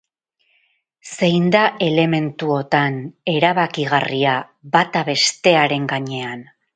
Zein da elementuotan erabakigarria bata bestearen gainean?